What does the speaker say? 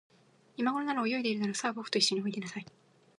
いまごろなら、泳いでいるだろう。さあ、ぼくといっしょにおいでなさい。